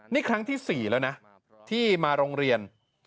นี่ครั้งที่๔แล้วนะที่มาโรงเรียน